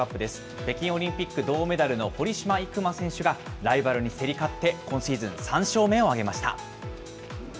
北京オリンピック銅メダルの堀島行真選手が、ライバルに競り勝って、今シーズン３勝目を挙げました。